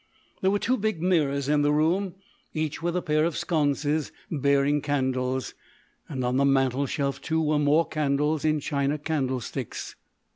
There were two big mirrors in the room, each with a pair of sconces bearing candles, and on the mantelshelf, too, were more candles in china candlesticks.